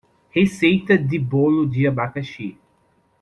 Receita de bolo de abacaxi.